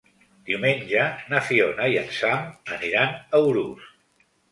Diumenge na Fiona i en Sam aniran a Urús.